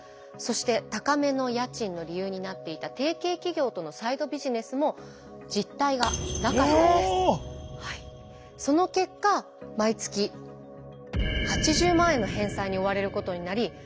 そして高めの家賃の理由になっていた提携企業とのサイドビジネスもその結果毎月８０万円の返済に追われることになり